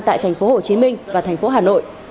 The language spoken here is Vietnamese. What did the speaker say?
tại tp hcm và tp hcm